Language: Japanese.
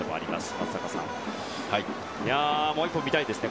松坂さん、もう１本見たいですね